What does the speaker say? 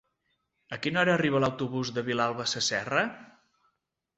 A quina hora arriba l'autobús de Vilalba Sasserra?